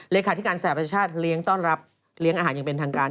เลขาธิการสหประชาชาติเลี้ยงต้อนรับเลี้ยงอาหารอย่างเป็นทางการ